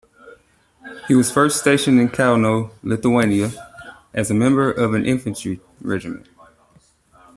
He was first stationed in Kowno, Lithuania as a member of an infantry regiment.